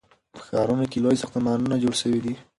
په ښارونو کې لوی ساختمانونه جوړ سوي دي.